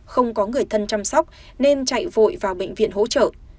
không có người thân chăm sóc nên chạy vội vào bệnh viện hỗ trợ